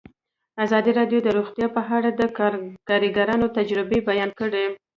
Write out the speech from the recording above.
ازادي راډیو د روغتیا په اړه د کارګرانو تجربې بیان کړي.